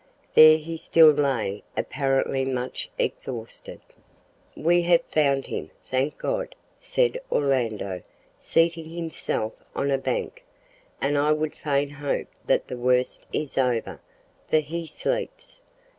There he still lay, apparently much exhausted. "We have found him, thank God," said Orlando, seating himself on a bank; "and I would fain hope that the worst is over, for he sleeps.